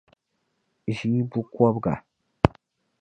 ʒii bukɔbiga.